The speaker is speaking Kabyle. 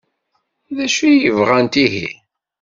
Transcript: D acu ay bɣant ihi?